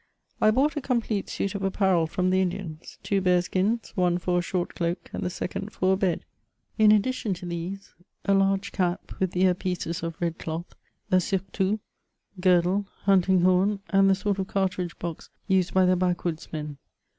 I BOUGHT a complete suit of apparel from the Indians ; two bear skins, one for a short cloak, and the second for a bed. In CHATEAUBRIAND. 265 addition to these, a larg^ cap, with ear pieces of red cloth, a sur tout, girdle, hunting horn, and the sort of cartridge hox used hy the hackwoods' men.